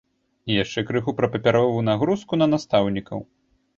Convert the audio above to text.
І яшчэ крыху пра папяровую нагрузку на настаўнікаў.